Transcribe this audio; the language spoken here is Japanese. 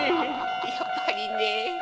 やっぱりね。